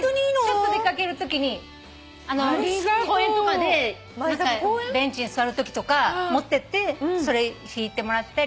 ちょっと出掛けるときに公園とかでベンチに座るときとか持ってってそれひいてもらったり。